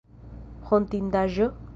Hontindaĵo?